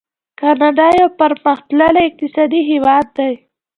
کاناډا یو پرمختللی اقتصادي هیواد دی.